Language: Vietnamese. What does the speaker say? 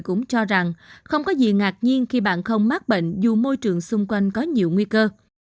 cũng cho rằng không có gì ngạc nhiên khi bạn không mắc bệnh dù môi trường xung quanh có nhiều nguy cơ